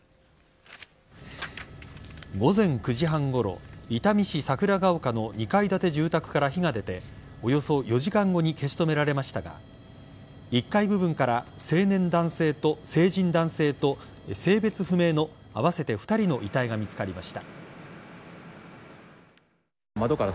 午前９時半ごろ伊丹市桜ケ丘の２階建て住宅から火が出ておよそ４時間後に消し止められましたが１階部分から成人男性と性別不明の合わせて２人の遺体が見つかりました。